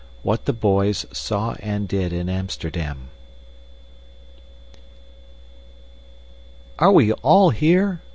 What the Boys Saw and Did in Amsterdam "Are we all here?"